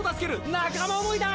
仲間想いだ！